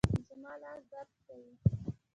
زما لاس درد کوي